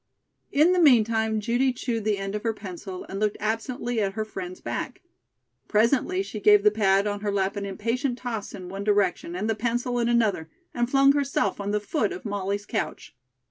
In the meantime Judy chewed the end of her pencil and looked absently at her friend's back. Presently she gave the pad on her lap an impatient toss in one direction and the pencil in another, and flung herself on the foot of Molly's couch.